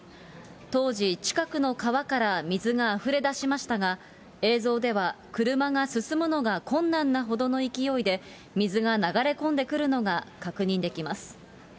当時、近くの川から水があふれ出しましたが、映像では車が進むのが困難なほどの勢いで、水が流れ込んでくるのが確認できます。